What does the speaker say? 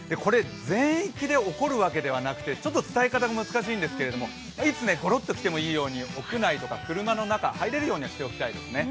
全域で起こるわけではなくて、ちょっと伝え方が難しいんですけれども、いつゴロッと来てもいいように、屋内とか車の中、入れるようにはしておきたいですね。